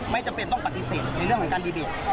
จำเป็นต้องปฏิเสธในเรื่องของการดีเบต